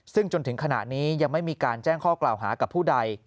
ซึ่งจนถึงขณะนี้ยังไม่มีการแจ้งข้อกล่าวหากับผู้ใด